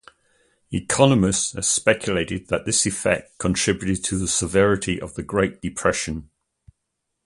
Economists have speculated that this effect contributed to the severity of the Great Depression.